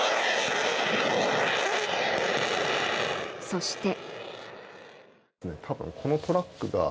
そして。